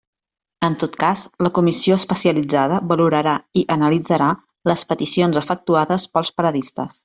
En tot cas la comissió especialitzada valorarà i analitzarà les peticions efectuades pels paradistes.